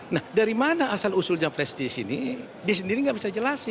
nah dari mana asal usulnya flash disk ini dia sendiri tidak bisa jelasin